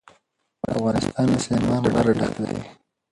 افغانستان له سلیمان غر ډک دی.